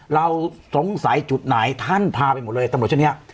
เราสงสัยจุดไหนท่านพาไปหมดเลยตำรวจเช่นนี้